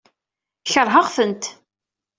Keṛheɣ-tent.